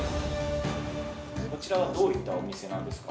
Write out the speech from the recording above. ◆こちらはどういったお店なんですか。